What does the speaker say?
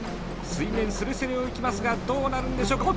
水面すれすれを行きますがどうなるんでしょうか。